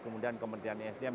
kemudian kemudian sdm